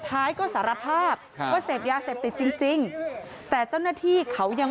ท้ายก็สารภาพว่าเสพยาเสพติดจริงจริงแต่เจ้าหน้าที่เขายัง